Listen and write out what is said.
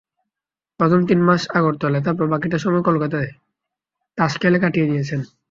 প্রথমে তিন মাস আগরতলায়, তারপর বাকিটা সময় কলকাতায় তাস খেলে কাটিয়ে দিয়েছেন।